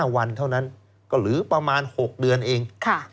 วันเท่านั้นก็หรือประมาณ๖เดือนเอง